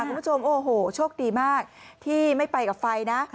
คุณผู้ชมโอ้โหโชคดีมากที่ไม่ไปกับไฟนะ